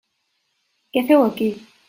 Què feu aquí?